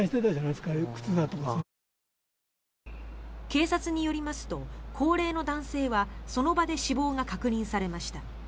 警察によりますと高齢の男性はその場で死亡が確認されました。